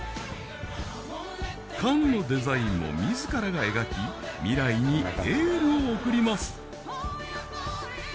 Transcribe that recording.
缶のデザインも自らが描き未来にエールを送ります